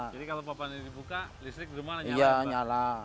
jadi kalau papan ini dibuka listrik di rumah nyalah nyala